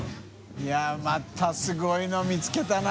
い筺またすごいの見つけたな。